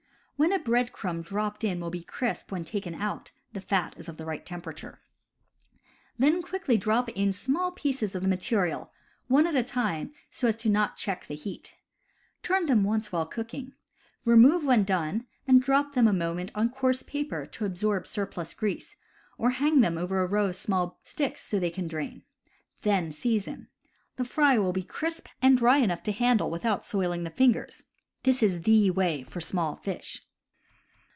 When a bread crumb dropped in will be crisp when taken out, the fat is of the right temperature. Then quickly drop in small pieces of the material, one at a time so as not to check the heat. Turn them once while cook ing. Remove when done, and drop them a moment on coarse paper to absorb surplus grease, or hang them over a row of small sticks so they can drain. Then season. The fry will be crisp, and dry enough 132 CAMPING AND WOODCRAFT to handle without soiling the fingers. This is the way for small fish.